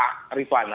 jangan lupa rifana